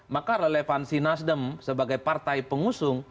maka relevansi nasdem sebagai partai pengusung